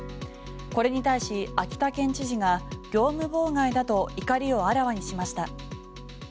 これに対し秋田県知事が業務妨害だと怒りをあらわにしました。